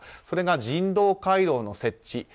それが人道回廊の設置。